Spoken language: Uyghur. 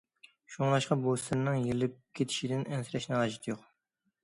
شۇڭلاشقا بۇ سىرنىڭ يېرىلىپ كېتىشىدىن ئەنسىرەشنىڭ ھاجىتى يوق.